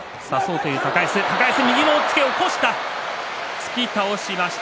突き倒しました。